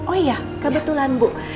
oh iya kebetulan bu